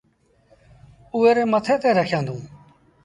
اُئي ري مٿي تي رکيآندونٚ